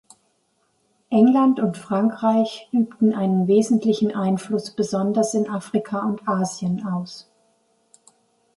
England und Frankreich übten einen wesentlichen Einfluss besonders in Afrika und Asien aus.